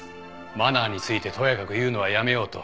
マナーについてとやかく言うのはやめようと。